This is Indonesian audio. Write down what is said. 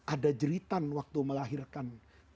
ada jeritan waktu melahirkan